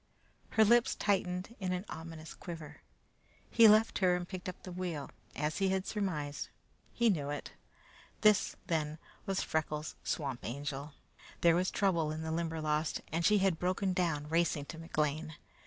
Her lips tightened in an ominous quiver. He left her and picked up the wheel: as he had surmised, he knew it. This, then, was Freckles' Swamp Angel. There was trouble in the Limberlost, and she had broken down racing to McLean.